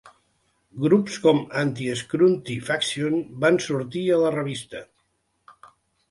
Grups com Anti-Scrunti Faction van sortir a la revista.